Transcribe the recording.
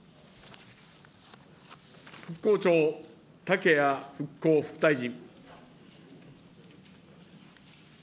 復興庁、竹谷復興副大臣。